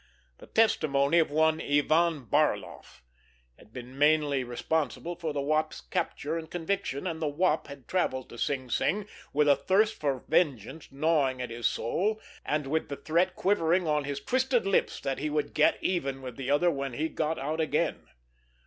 The testimony of one Ivan Barloff had been mainly responsible for the Wop's capture and conviction, and the Wop had travelled to Sing Sing with a thirst for vengeance gnawing at his soul, and with the threat quivering on his twisted lips that he would get even with the other when he got out again.